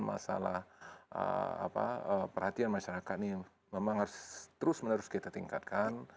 masalah perhatian masyarakat ini memang harus terus menerus kita tingkatkan